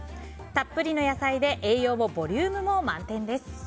たっぷりの野菜で栄養もボリュームも満点です。